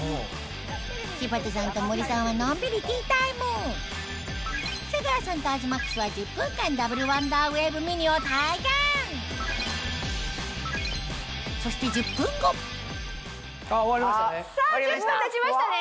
柴田さんと森さんはのんびりティータイム瀬川さんと東ＭＡＸは１０分間ダブルワンダーウェーブミニを体験そして１０分後終わりましたね。